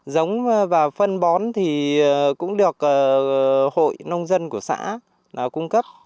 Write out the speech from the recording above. giống và phân bón thì cũng được hội nông dân của xã cung cấp